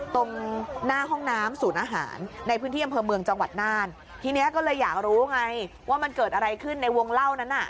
ตรงหน้าห้องน้ำศูนย์อาหารในพื้นที่อำเภอเมืองจังหวัดน่านทีนี้ก็เลยอยากรู้ไงว่ามันเกิดอะไรขึ้นในวงเล่านั้นน่ะ